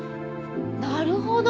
なるほど。